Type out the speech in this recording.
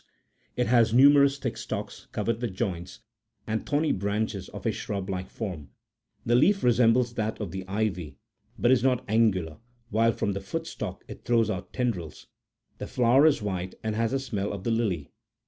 18 It has numerous thick stalks covered with joints, and thorny branches of a shrub like form : the leaf resembles that of the ivy, but is not angular, while from the foot stalk it throws out tendrils ; the flower is white, and has the smell of the lily.